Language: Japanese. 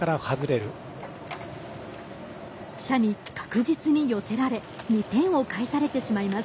謝に確実に寄せられ２点を返されてしまいます。